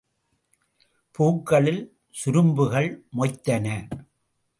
பூக்களில் சுரும்புகள் மொய்த்தன.